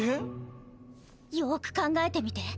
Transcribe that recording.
よく考えてみて。